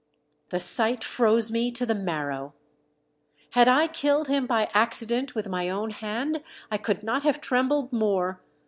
The sight froze me to the marrow. Had I killed him by accident with my own hand I could not have trembled more.